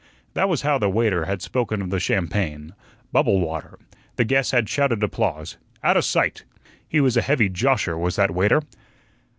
That was how the waiter had spoken of the champagne "bubble water." The guests had shouted applause, "Outa sight." He was a heavy josher was that waiter.